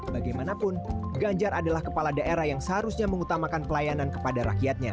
bagaimanapun ganjar adalah kepala daerah yang seharusnya mengutamakan pelayanan kepada rakyatnya